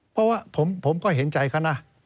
เพราะว่าผมก็เห็นใจเขานะ